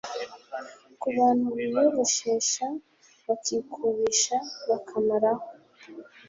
Ku bantu biyogoshesha bakikubisha bakamaraho ,